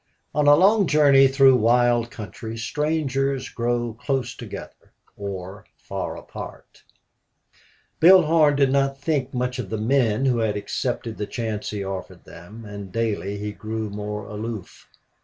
On a long journey through wild country strangers grow close together or far apart. Bill Horn did not think much of the men who had accepted the chance he offered them, and daily he grew more aloof.